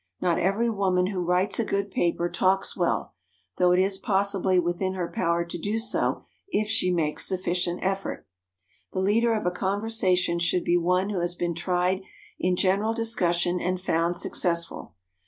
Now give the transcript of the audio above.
Not every woman who writes a good paper talks well, though it is possibly within her power to do so if she makes sufficient effort. The leader of a conversation should be one who has been tried in general discussion and found successful.